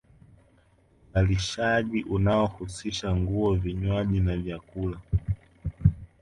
Uzalishaji unaohusisha nguo vinywaji na vyakula